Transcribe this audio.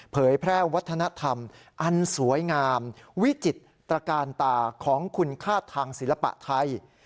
เผยแพร่วัฒนธรรมอันสวยงามวิจิตรการตาของคุณค่าทางศิลปะไทย